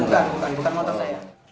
bukan bukan motor saya